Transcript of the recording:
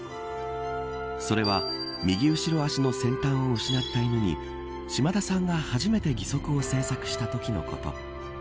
それは右後ろ足の先端を失った犬に島田さんが初めて義足を製作したときのこと。